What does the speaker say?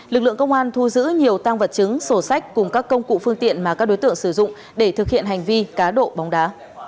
lực lượng công an thu giữ nhiều tăng vật chứng sổ sách cùng các công cụ phương tiện mà các đối tượng sử dụng để thực hiện hành vi cá độ bóng đá